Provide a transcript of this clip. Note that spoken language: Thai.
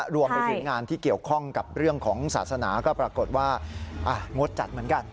รวมไปถึงงานที่เกี่ยวข้องกับเรื่องของศาสนาก็ปรากฏว่างดจัดเหมือนกัน